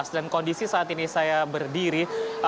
dan kondisi saat ini saya berdiri